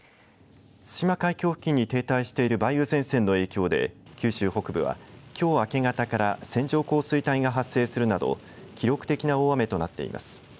対馬海峡付近に停滞している梅雨前線の影響で九州北部は、きょう明け方から線状降水帯が発生するなど記録的な大雨となっています。